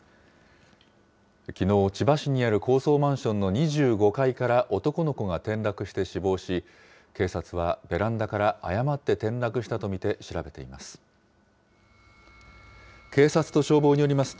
きのう、千葉市にある高層マンションの２５階から男の子が転落して死亡し、警察はベランダから誤って転落したと見て調べています。